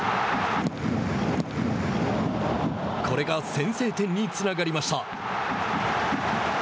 これが先制点につながりました。